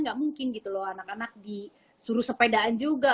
nggak mungkin gitu loh anak anak disuruh sepedaan juga